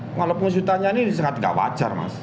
kalau pengusutannya ini sangat tidak wajar mas